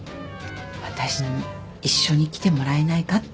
私に一緒に来てもらえないかって。